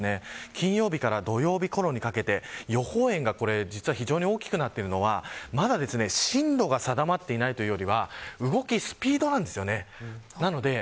金曜日から土曜日ごろにかけて予報円が非常に大きくなっているのはまだ進路が定まっていないというよりは動き、スピードなんです。